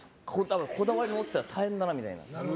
こだわり持ってたら大変だなみたいな。